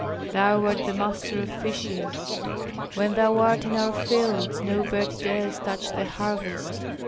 Thou art the master of fishes; when thou art in our fields no bird dares touch the harvest.